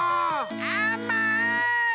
あまい！